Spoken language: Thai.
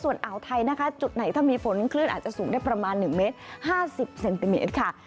ส่วนอ่าวไทยนะคะจุดไหนถ้ามีฝนคลื่นอาจจะสูงได้ประมาณ๑เมตร๕๐เซนติเมตรค่ะ